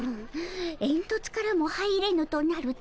えんとつからも入れぬとなると。